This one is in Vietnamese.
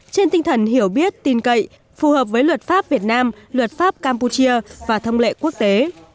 trên tinh thần hiểu biết tin cậy phù hợp với luật pháp việt nam luật pháp campuchia và thông lệ quốc tế